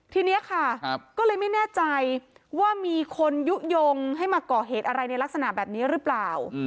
ทีนี้ค่ะก็เลยไม่แน่ใจว่ามีคนยุโยงให้มาก่อเหตุอะไรในลักษณะแบบนี้หรือเปล่า